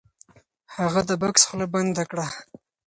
هغه د بکس خوله بنده کړه. .